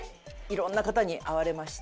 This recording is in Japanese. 色んな方に会われました。